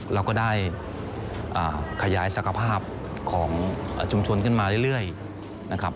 เราก็ได้ขยายศักภาพของชุมชนขึ้นมาเรื่อยนะครับ